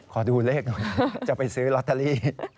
ขอดูเลขหน่อยจะไปซื้อลอตเตอรี่